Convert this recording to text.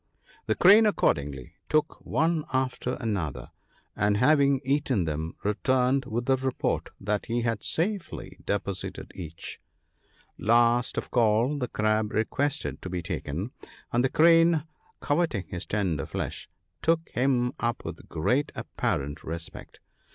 "The Crane accordingly took one after another, and having eaten them returned with the report that he had safely deposited each. Last of all, the Crab requested to be taken ; and the Crane, coveting his tender flesh, took him up with great apparent respect.